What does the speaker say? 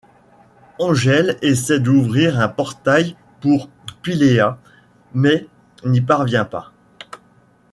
Angel essaie d'ouvrir un portail pour Pylea mais n'y parvient pas.